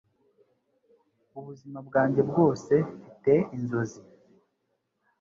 Ubuzima bwanjye bwose Mfite inzozi